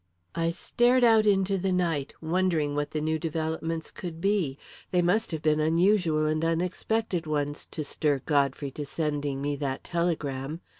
I stared out into the night, wondering what the new developments could be. They must have been unusual and unexpected ones, to stir Godfrey to sending me that telegram!